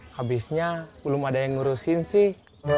habisnya belum ada yang ngurusin sih